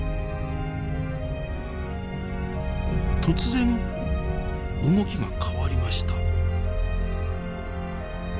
突然動きが変わりました。